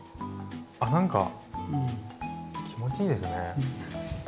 あ何か気持ちいいですね。